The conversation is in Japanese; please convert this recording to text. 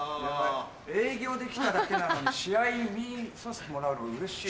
営業で来ただけなのに試合見させてもらうの嬉しいな。